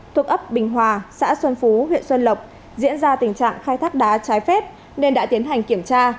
thuộc ấp bình hòa xã xuân phú huyện xuân lộc diễn ra tình trạng khai thác đá trái phép nên đã tiến hành kiểm tra